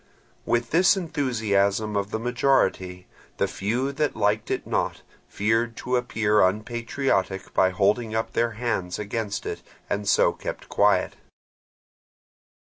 With this enthusiasm of the majority, the few that liked it not, feared to appear unpatriotic by holding up their hands against it, and so kept quiet.